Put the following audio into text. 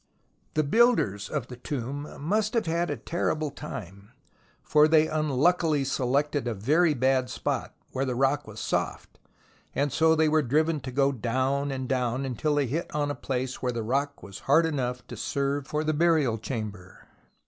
The builders of the tomb must have had a terrible time, for they unluckily selected a very bad spot, where the rock was soft, and so they were driven to go down and down, until they hit on a place where the rock was hard enough to serve for the burial chamber.